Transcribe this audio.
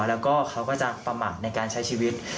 แล้วก็เขาก็จะประมาทในการใช้ชีวิต